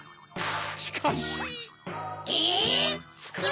しかし。え！